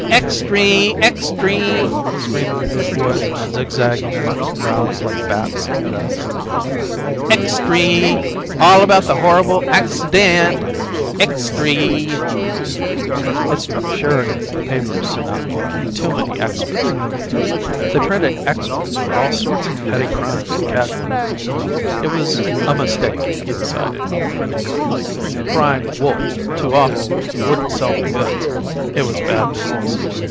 "Extry! Extry!" screamed the newsboys, zig zagging among the crowds like bats in the dusk. "Extry! All about the horrable acciDENT! Extry!" It struck Sheridan that the papers sent out too many "Extras"; they printed "Extras" for all sorts of petty crimes and casualties. It was a mistake, he decided, critically. Crying "Wolf!" too often wouldn't sell the goods; it was bad business.